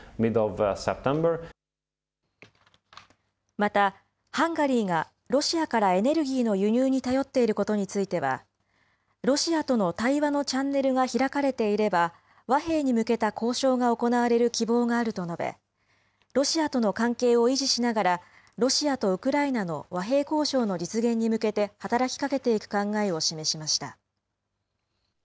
また、ハンガリーがロシアからエネルギーの輸入に頼っていることについては、ロシアとの対話のチャンネルが開かれていれば、和平に向けた交渉が行われる希望があると述べ、ロシアとの関係を維持しながら、ロシアとウクライナの和平交渉の実現に向けて働きかけていく考えを示しました。